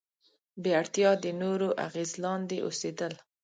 بې اړتیا د نورو اغیز لاندې اوسېدل.